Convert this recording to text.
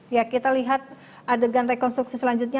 di jalan saguling